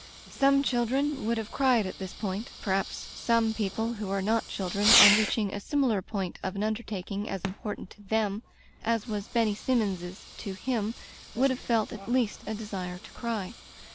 Some children would have cried at this point — ^perhaps some people who are not children, on reaching a similar point of an undertaking as important to them as was Benny Sinmions's to him, would have felt at least a desire to cry.